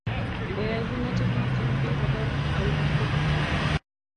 ngoyae kunoto komakchini biik koba oldab maat